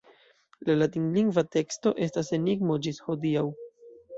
La latinlingva teksto estas enigmo ĝis hodiaŭ.